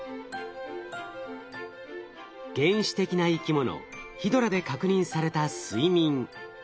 原始的な生きものヒドラで確認された睡眠。